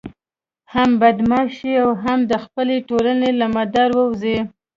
هم بدماش شي او هم د خپلې ټولنې له مدار ووزي.